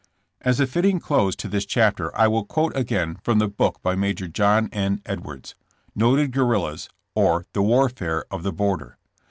As a fitting close to this chapter I will quote again from the book by Major John N. Edwards, Noted Guerrillas, or the Warfare of the Border."